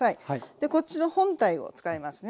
でこっちの本体を使いますね。